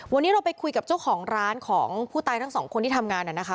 วันนี้เราไปคุยกับเจ้าของร้านของผู้ตายทั้งสองคนที่ทำงานน่ะนะคะ